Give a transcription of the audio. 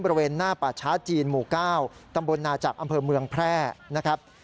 บริเวณหน้าป่าช้าจีนหมู่๙ตำบลนาจักรอำเภอเมืองแพร่นะครับ